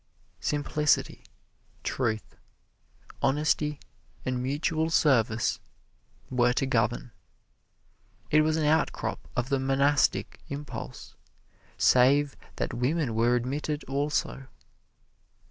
Simplicity, truth, honesty and mutual service were to govern. It was an outcrop of the monastic impulse, save that women were admitted, also.